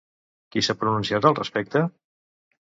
Qui s'ha pronunciat al respecte?